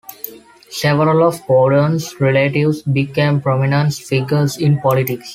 Several of Gordon's relatives became prominent figures in politics.